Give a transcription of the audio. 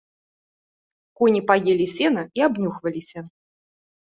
Коні паелі сена і абнюхваліся.